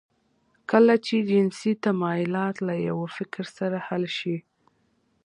کله چې جنسي تمایلات له یوه فکر سره حل شي